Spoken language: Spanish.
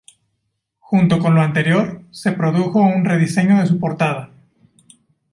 Junto con lo anterior, se produjo un rediseño de su portada.